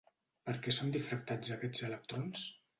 Per què són difractats aquests electrons?